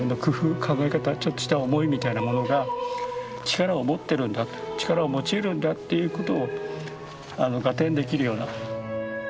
ちょっとした思いみたいなものが力を持ってるんだと力を持ちうるんだっていうことを合点できるような。